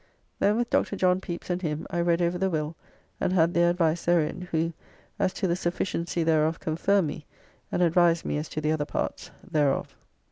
Then with Dr. John Pepys and him, I read over the will, and had their advice therein, who, as to the sufficiency thereof confirmed me, and advised me as to the other parts thereof.